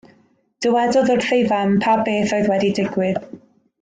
Dywedodd wrth ei fam pa beth oedd wedi digwydd.